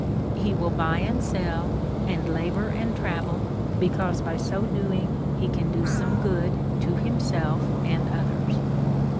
He will buy and sell, and labour and travel, because by so doing he can do some good to himself and others.